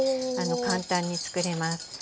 簡単につくれます。